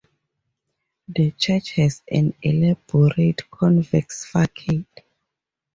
The church has an elaborate convex facade.